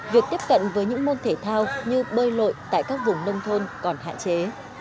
việc tiếp cận với những môn thể thao như bơi lội tại các vùng nông thôn còn hạn chế